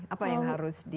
apa yang harus di